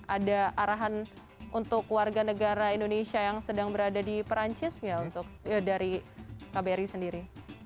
ada arahan untuk warga negara indonesia yang sedang berada di perancis nggak untuk dari kbri sendiri